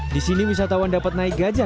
di sini wisatawan dapat naik gajah